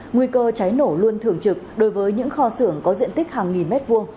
nguy cơ cháy nổ luôn thường trực đối với những kho xưởng có diện tích hàng nghìn mét vuông